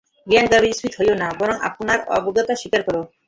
জ্ঞানগর্বে স্ফীত হইও না, বরং আপনার অজ্ঞতা স্বীকার কর।